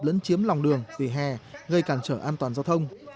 lấn chiếm lòng đường vỉa hè gây cản trở an toàn giao thông